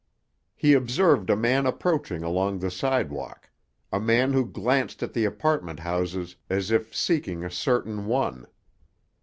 He observed a man approaching along the sidewalk, a man who glanced at the apartment houses as if seeking a certain one.